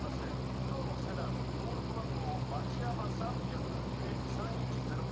黒のセダン登録番号町山３００へ３１０９。